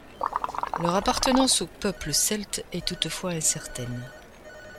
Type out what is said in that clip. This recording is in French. Leur appartenance aux peuples celtes est toutefois incertaine.